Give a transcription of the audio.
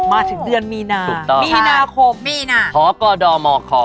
มาถึงเดือนมีนามีนาคมฮกมค